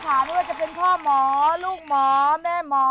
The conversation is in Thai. ไม่ว่าจะเป็นพ่อหมอลูกหมอแม่หมอ